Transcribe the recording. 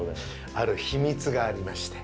ある秘密がありまして。